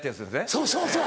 そうそうそう。